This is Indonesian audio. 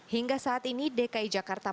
hingga saat ini dki jakarta